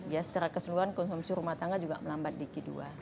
ya secara keseluruhan konsumsi rumah tangga juga melambat di q dua